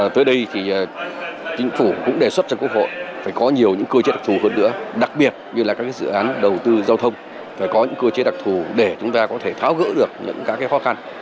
tới đây thì chính phủ cũng đề xuất cho quốc hội phải có nhiều những cơ chế đặc thù hơn nữa đặc biệt như là các dự án đầu tư giao thông phải có những cơ chế đặc thù để chúng ta có thể tháo gỡ được những các khó khăn